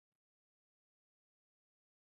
افغانستان په انار باندې تکیه لري.